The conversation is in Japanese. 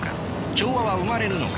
調和は生まれるのか。